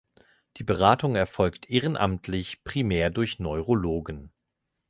Die Beratung erfolgt ehrenamtlich primär durch Neurologen.